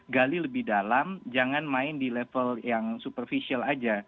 gali lebih dalam jangan main di level yang superficial aja